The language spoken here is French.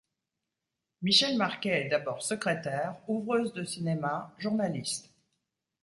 Michelle Marquais est d'abord secrétaire, ouvreuse de cinéma, journaliste.